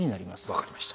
分かりました。